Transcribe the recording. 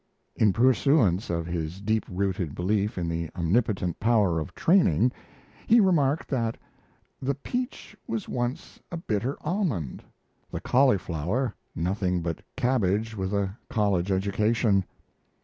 In pursuance of his deep rooted belief in the omnipotent power of training, he remarked that the peach was once a bitter almond, the cauliflower nothing but cabbage with a college education.